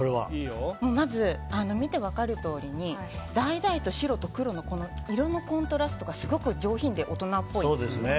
まず見て分かるとおりに橙と白と黒の色のコントラストがすごく上品で大人っぽいんです。